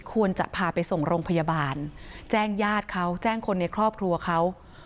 ควรจะพาไปส่งโรงพยาบาลแจ้งญาติเขาแจ้งคนในครอบครัวเขา